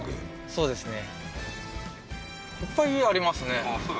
そうですね